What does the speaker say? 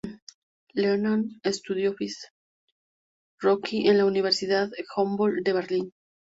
Lehmann estudió física en Rostock y en la Universidad Humboldt de Berlín.